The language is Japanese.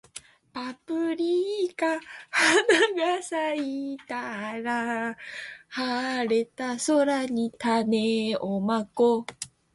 パプリカ花が咲いたら、晴れた空に種をまこう